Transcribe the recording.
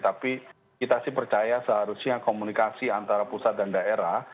tapi kita sih percaya seharusnya komunikasi antara pusat dan daerah